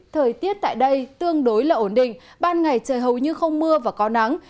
thời tiết tại đây tương đối là ổn định ban ngày trời hầu như không mưa và có nắng